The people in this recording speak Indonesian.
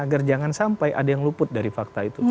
agar jangan sampai ada yang luput dari fakta itu